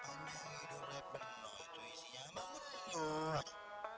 pandang hidung benar itu isinya menggunung